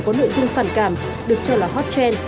có nội dung phản cảm được cho là hot trend